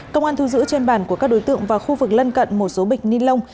công an thu giữ trên bàn của các đối tượng và khu vực lân cận một số bịch ni lông